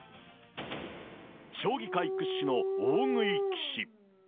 将棋界屈指の大食い棋士。